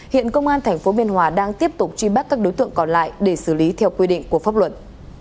hiện công an tp biên hòa đang tiếp tục truy bắt các đối tượng còn lại để xử lý theo quy định của pháp luật